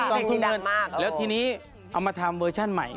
ก็ทำเวอร์ชั่นใหม่